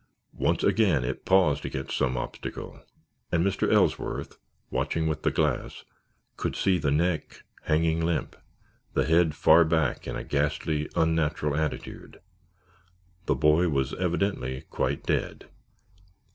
Once again it paused against some obstacle and Mr. Ellsworth, watching with the glass, could see the neck hanging limp, the head far back in a ghastly, unnatural attitude. The boy was evidently quite dead.